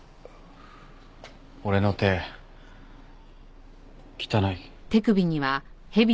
俺の手汚い。